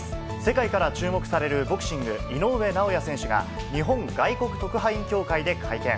世界から注目されるボクシング、井上尚弥選手が日本外国特派員協会で会見。